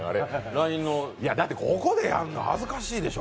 だって、ここでやるの恥ずかしいでしょ。